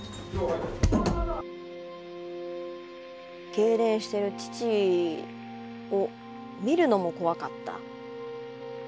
けいれんしてる父を見るのも怖かった。